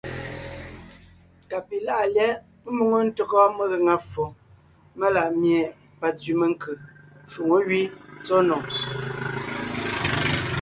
Ka pi láʼa lyɛ̌ʼ ḿmoŋo ntÿɔgɔ megaŋa ffo melaʼ mie pantsẅi menkʉ́ shwoŋó gẅí tsɔ́ nò.